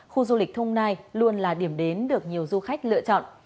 khu du lịch thông nai luôn là điểm đến được nhiều du khách lựa chọn